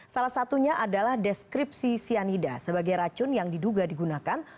salah satunya adalah deskripsi cyanida sebagai racun yang diduga digunakan